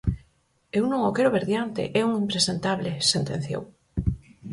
"Eu non o quero ver diante, é un impresentable", sentenciou.